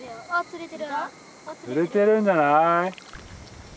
釣れてるんじゃない？